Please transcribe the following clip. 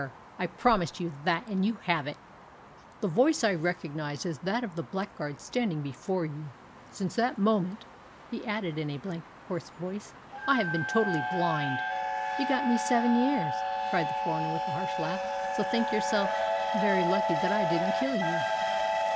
I promised you that, and you have it!' The voice I recognised as that of the blackguard standing before you. Since that moment," he added in a blank, hoarse voice, "I have been totally blind!" "You got me seven years!" cried the foreigner with a harsh laugh, "so think yourself very lucky that I didn't kill you."